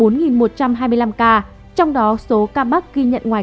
trong đó số ca mắc trong khu vực phong tỏa hoặc đã được cách ly